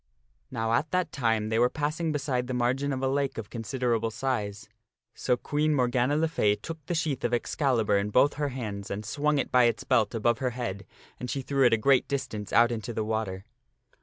Now at that time they were passing beside the margin of a lake of con siderable size. So Queen Morgana le Fay took the sheath of yueen Morgana <,.. thro wetkthe Excalibur in both her hands and swung it by its belt above ^urfntofhTiafe. hei " head and she threw it a great distance out into the water.